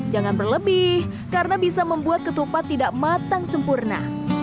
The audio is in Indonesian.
jangan berlebih karena bisa membuat ketupat tidak matang sempurna